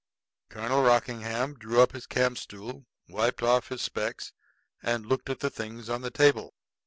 Colonel Rockingham drew up his campstool, wiped off his specs, and looked at the things on the table.